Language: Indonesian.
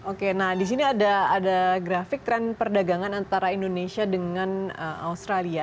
oke nah di sini ada grafik tren perdagangan antara indonesia dengan australia